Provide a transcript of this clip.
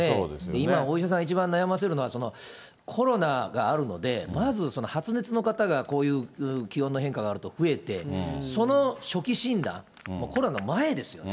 今、お医者さんを一番悩ませるのは、コロナがあるので、まず発熱の方が、こういう気温の変化があると増えて、その初期診断、コロナの前ですよね。